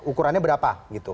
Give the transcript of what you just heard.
ukurannya berapa gitu